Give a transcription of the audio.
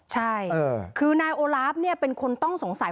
ใช่คือนายโอลาฟเป็นคนต้องสงสัย